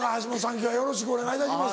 今日はよろしくお願いいたします。